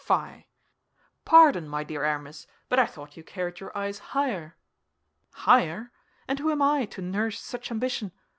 Fie!" "Pardon, my dear Aramis, but I thought you carried your eyes higher." "Higher? And who am I, to nourish such ambition?